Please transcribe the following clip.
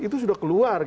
itu sudah keluar